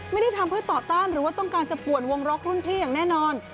ไม่ได้ทำเพื่อต่อต้านหรือว่าต้องการจะป่วนวงล็อกรุ่นพี่อย่างแน่นอน